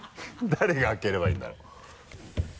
誰が開ければいいんだろう？